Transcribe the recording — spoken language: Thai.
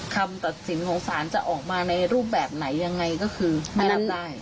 คำตัดสินของศาลจะออกมาในรูปแบบไหนยังไงก็คือไม่รับได้